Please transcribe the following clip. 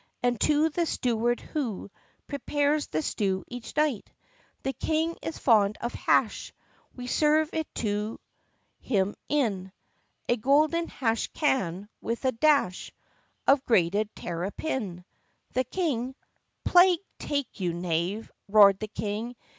And to the steward who Prepares the stew each night! "The King is fond of hash. We serve it to him in A golden hash can (with a dash Of grated terrapin). "The King —" "Plague take you, knave!" roared the King.